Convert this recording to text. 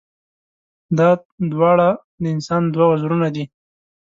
دا دواړه د انسان دوه وزرونه دي.